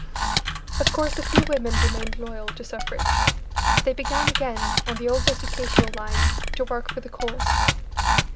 Of course a few women remained loyal to suffrage. They began again on the old educational lines to work for the cause.